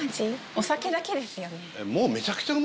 お酒だけですよね。